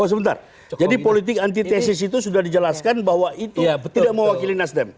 oh sebentar jadi politik antitesis itu sudah dijelaskan bahwa itu tidak mewakili nasdem